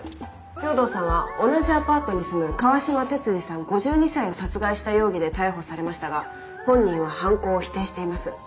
兵藤さんは同じアパートに住む川島鉄二さん５２歳を殺害した容疑で逮捕されましたが本人は犯行を否定しています。